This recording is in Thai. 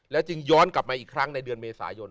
จึงย้อนกลับมาอีกครั้งในเดือนเมษายน